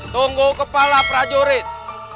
tunggu kepala prajurit